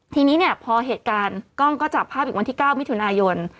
ทีนี้เนี่ยพอเหตุการณ์กล้องก็จับภาพอีกวันที่๙มิถุนายน